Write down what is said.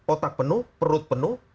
otak penuh perut penuh